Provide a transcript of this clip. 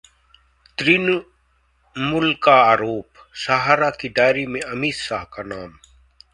तृणमूल का आरोप, सहारा की डायरी में अमित शाह का नाम